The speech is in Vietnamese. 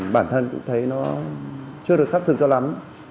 bản thân cũng thấy nó chưa được xác thực cho lắm